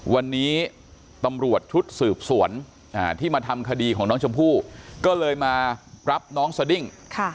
วันนี้ตำรวจชุดสืบสวนที่มาทำคดีของน้องชมพู่ก็เลยมารับน้องสดิ้ง